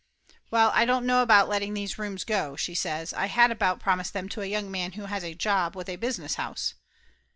"Well, I don't know about letting these rooms go," she says. "I had about promised them to a young man who has a job with a business house."